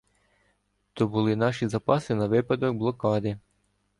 То були наші запаси на випадок "блокади".